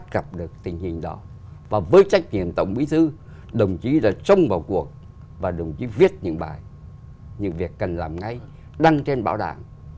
gặp được tình hình đó và với trách nhiệm tổng bí thư đồng chí đã trông vào cuộc và đồng chí viết những bài những việc cần làm ngay đăng trên báo đảng